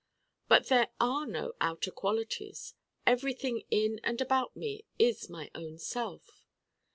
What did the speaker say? But there are no outer qualities. Everything in and about me is my own self.